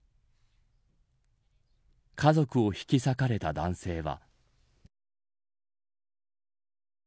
家族を引き裂かれた男性は。